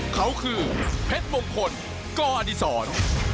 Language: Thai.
เขาคือเพชรมงคลกอดีศร